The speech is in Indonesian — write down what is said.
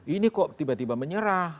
ini kok tiba tiba menyerah